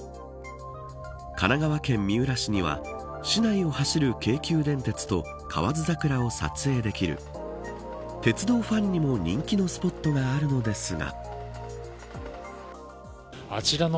神奈川県三浦市には市内を走る京急電鉄と河津桜を撮影できる鉄道ファンにも人気のスポットがあるのですが。